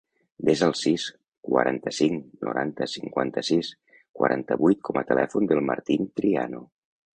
Desa el sis, quaranta-cinc, noranta, cinquanta-sis, quaranta-vuit com a telèfon del Martín Triano.